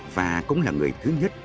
và cũng là người thứ nhất